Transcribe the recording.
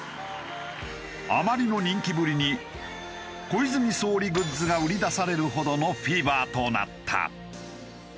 あまりの人気ぶりに小泉総理グッズが売り出されるほどのフィーバーとなった。